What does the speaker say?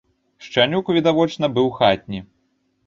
Шчанюк відавочна быў хатні.